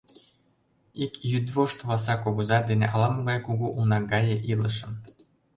Ик йӱдвошт Васа кугыза дене ала-могай кугу уна гае илышым.